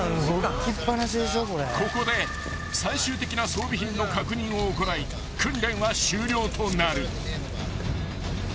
［ここで最終的な装備品の確認を行い訓練は終了となる］